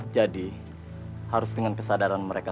jadi harus dengan kesadaran mereka